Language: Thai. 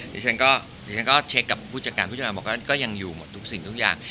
ดิฉันก็ดิฉันก็เช็คกับผู้จัดการผู้จัดการบอกว่าก็ยังอยู่หมดทุกสิ่งทุกอย่าง